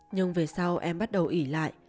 nhưng về sau em bắt đầu ỉ lại